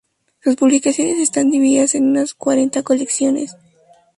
Sus publicaciones están divididas en unas cuarenta colecciones.